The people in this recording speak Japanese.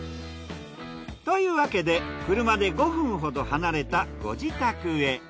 というわけで車で５分ほど離れたご自宅へ。